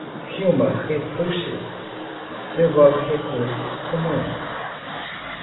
Human Resources envolve recursos humanos.